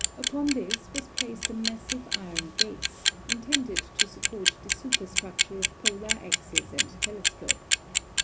Upon this was placed a massive iron base, intended to support the superstructure of polar axis and telescope.